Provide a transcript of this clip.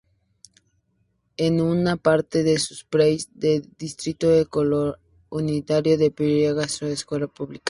En una parte de Surprise, el Distrito Escolar Unificado de Peoria gestiona escuelas públicas.